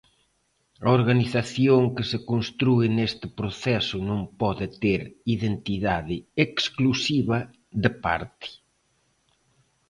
A organización que se constrúe neste proceso non pode ter identidade exclusiva de parte.